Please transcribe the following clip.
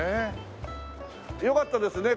よかったですね